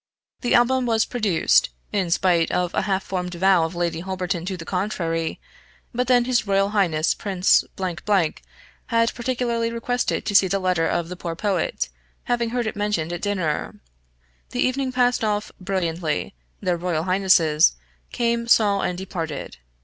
The Album was produced, in spite of a half formed vow of Lady Holberton to the contrary, but then His Royal Highness Prince had particularly requested to see the letter of the poor poet, having heard it mentioned at dinner. The evening passed off brilliantly, their royal highnesses, came, saw, and departed.